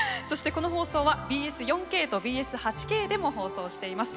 この放送はＢＳ４ＫとＢＳ８Ｋでも放送しています。